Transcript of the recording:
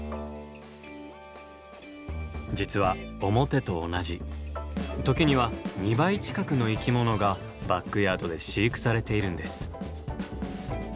実は表と同じ時には２倍近くの生き物がバックヤードで飼育されているんです。